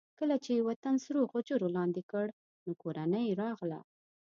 کله چې یې وطن سرو غجرو لاندې کړ نو کورنۍ یې راغله.